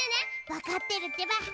わかってるってば。